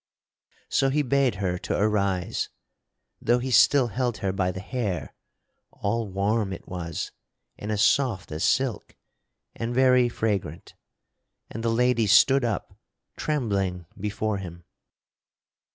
So he bade her to arise though he still held her by the hair (all warm, it was, and as soft as silk and very fragrant) and the lady stood up, trembling before him.